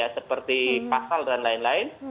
seperti pasal dan lain lain